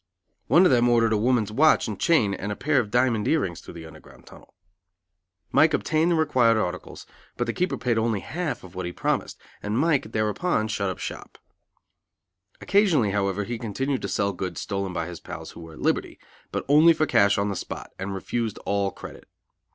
One of them ordered a woman's watch and chain and a pair of diamond ear rings through the Underground Tunnel. Mike obtained the required articles, but the keeper paid only half of what he promised, and Mike thereupon shut up shop. Occasionally, however, he continued to sell goods stolen by his pals who were at liberty, but only for cash on the spot, and refused all credit.